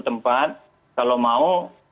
tempat kalau mau